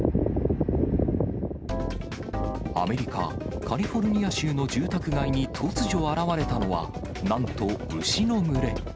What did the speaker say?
アメリカ・カリフォルニア州の住宅街に突如現れたのは、なんと牛の群れ。